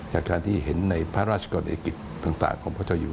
จากการที่เห็นในพระราชกรณีกิจต่างของพระเจ้าอยู่